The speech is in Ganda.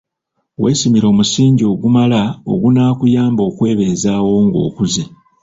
"Weesimira omusingi ogumala, ogunaakuyamba okwebeezaawo ng'okuze."